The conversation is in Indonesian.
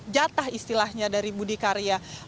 jatah istilahnya dari budi karya